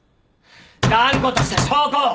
断固とした証拠を！